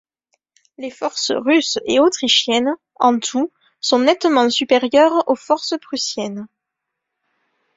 Les forces russes et autrichiennes, en tout, sont nettement supérieures aux forces prussiennes.